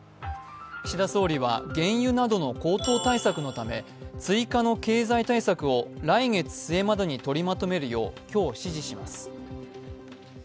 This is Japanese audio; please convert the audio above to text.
岸田総理は原油などの高騰対策のため、追加の経済対策を来月末までに取りまとめるよう今日指示します。